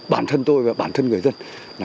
bản thân tôi và bản thân người dân